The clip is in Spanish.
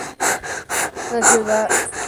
Nació en Ciudad Lerdo, Durango.